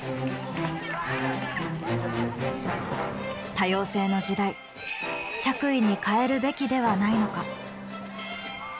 多様性の時代着衣に変えるべきではないのか。